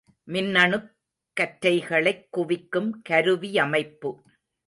மின்னணுக் கற்றைகளைக் குவிக்கும் கருவியமைப்பு.